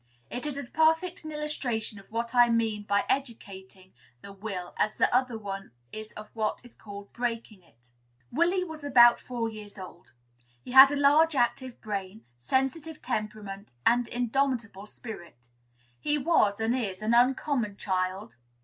It is as perfect an illustration of what I mean by "educating" the will as the other one is of what is called "breaking" it. Willy was about four years old. He had a large, active brain, sensitive temperament, and indomitable spirit. He was and is an uncommon child.